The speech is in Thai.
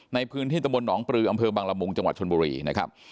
ในพื้นที่ตะบนหนองปลืออำเภอบังละมุงจังหวัดชนบุรีนะครับ